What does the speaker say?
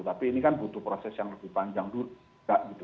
tapi ini kan butuh proses yang lebih panjang dulu